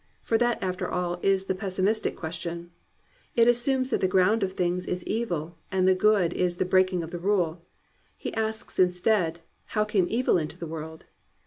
For that, after all, is the pessimistic question; it assumes that the ground of things is evil and the good is the breaking of the rule. He asks instead "How came evil into the world